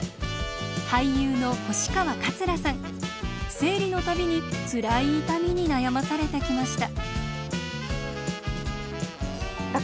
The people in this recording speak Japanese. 生理の度につらい痛みに悩まされてきました。